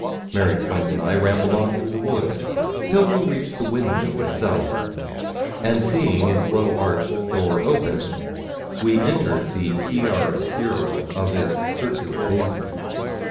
Mary Quince and I rambled on through the wood, till we reached the windmill itself, and seeing its low arched door open, we entered the chiaro oscuro of its circular basement.